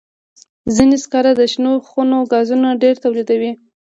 ځینې سکاره د شنو خونو ګازونه ډېر تولیدوي.